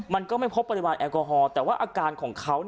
มันก็ไม่พบปริมาณแอลกอฮอลแต่ว่าอาการของเขา